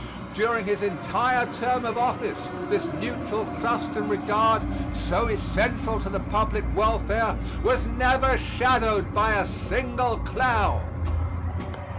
During his entire term of office this mutual trust and regard so essential to the public welfare was never shadowed by a single cloud.